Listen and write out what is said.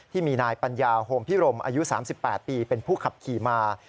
ที่มีนายปัญญาโฮมพิรมอายุ๓๘ปีเป็นผู้ขับขี่มา